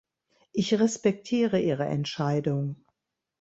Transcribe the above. Ich respektiere Ihre Entscheidung.